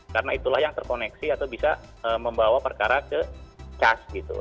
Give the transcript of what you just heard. karena itulah yang terkoneksi atau bisa membawa perkara ke cas gitu